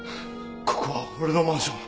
ここは俺のマンション。